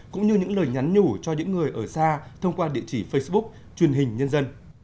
cũng như những lời nhắn nhủ cho những người ở xa thông qua địa chỉ facebook truyền hình nhân dân